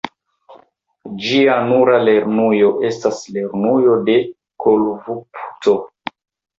Ĝia nura lernujo estas Lernujo de Koivupuhto.